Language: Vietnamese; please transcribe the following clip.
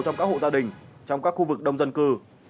trong các hộ gia đình trong các khu vực đông dân cư